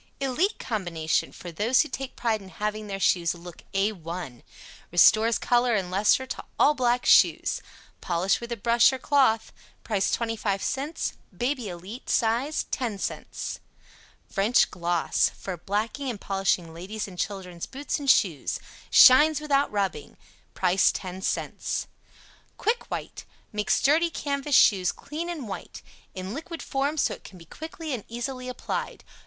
"ELITE" Combination for those who take pride in having their shoes look A 1. Restores color and lustre to all black shoes. Polish with a brush or cloth. Price 25c "BABY ELITE" size, 10c. "FRENCH GLOSS." For blacking and polishing ladies' and children's boots and shoes; SHINES WITHOUT RUBBING. (See cut.) Price 10c. "QUICK WHITE" makes dirty CANVAS shoes clean and white. In liquid form so it can be quickly and easily applied.